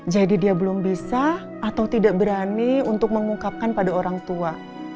jadi dia belum bisa atau tidak berani untuk mengungkapkan pada orang tua